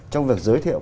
trong việc giới thiệu